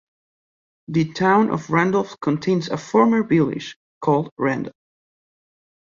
The town of Randolph contains a former village called Randolph.